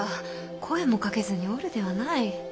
声もかけずにおるではない。